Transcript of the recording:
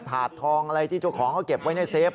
ถาดทองอะไรที่เจ้าของเขาเก็บไว้ในเฟฟ